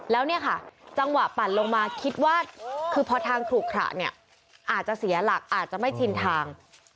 แล้วเนี่ยค่ะจังหวะปั่นลงมาคิดว่าคือพอทางขลุขระเนี่ยอาจจะเสียหลักอาจจะไม่ชินทาง